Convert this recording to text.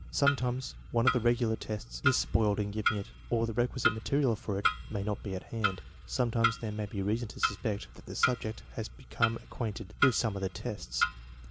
Sometimes one of the regular tests is spoiled in giving it, or the requisite material for it may not be at hand. Sometimes there may be reason to suspect that the subject has become acquainted with some of the tests.